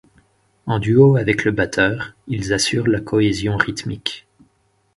En duo avec le batteur, ils assurent la cohésion rythmique.